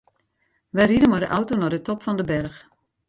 Wy ride mei de auto nei de top fan de berch.